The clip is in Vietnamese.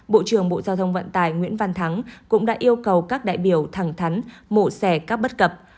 bộ trưởng bộ giao thông vận tài nguyễn văn thắng cũng đã yêu cầu các đại biểu thẳng thắn mổ sẻ các bất cập